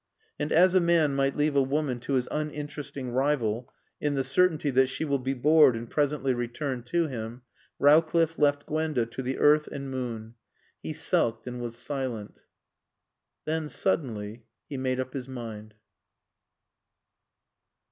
And as a man might leave a woman to his uninteresting rival in the certainty that she will be bored and presently return to him, Rowcliffe left Gwenda to the earth and moon. He sulked and was silent. Then, suddenly, he made up his mind.